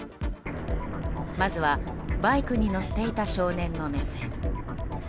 まずはバイクに乗っていた少年の目線。